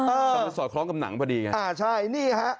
เอออ่ะใช่